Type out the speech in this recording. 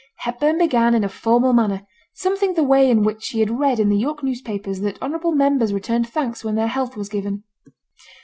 Hepburn began in a formal manner, something the way in which he had read in the York newspapers that honourable members returned thanks when their health was given.